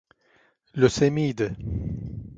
Lösemiydi.